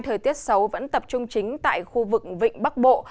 thời tiết xấu vẫn tập trung chính tại khu vực vịnh bắc bộ